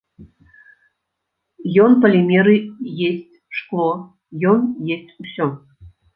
Ён палімеры есць, шкло, ён есць усё.